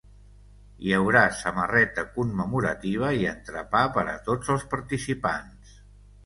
Hi haurà samarreta commemorativa i entrepà per a tots els participants.